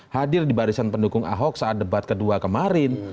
hadir di barisan pendukung ahok saat debat kedua kemarin